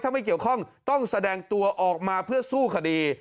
ถ้าไม่เกี่ยวข้องต้องแสดงตัวออกมาเพื่อสู้คดี